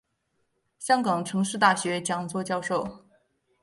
香港城市大学讲座教授。